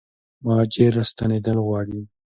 مهاجر راستنیدل غواړي